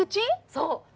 そう！